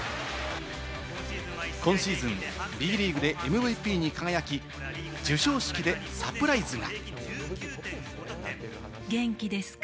今シーズン、ＢリーグでＭＶＰに輝き、授賞式でサプライズが。